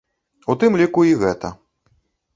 У тым ліку, і гэта.